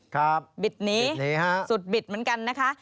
ครับบิดนี้ฮะสุดบิดเหมือนกันนะคะ